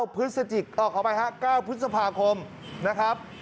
๙พฤษจิกษ์ออกเข้าไปครับ๙พฤษภาคมนะครับ